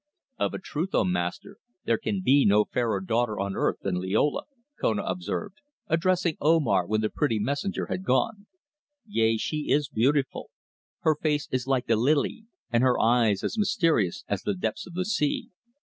"Of a truth, O Master, there can be no fairer daughter on earth than Liola," Kona observed, addressing Omar when the pretty messenger had gone. "Yea, she is beautiful. Her face is like the lily, and her eyes as mysterious as the depths of the sea.